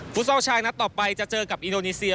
ซอลชายนัดต่อไปจะเจอกับอินโดนีเซีย